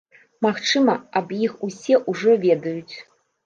Магчыма, аб іх усе ўжо ведаюць.